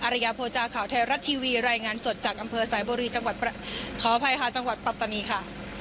อริยาโพจาข่าวไทยรัดทีวีรายงานสดจากอำเภอสายบุรีจังหวัดปรับตะนีค่ะ